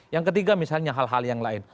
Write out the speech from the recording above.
yang ketiga misalnya hal hal yang lain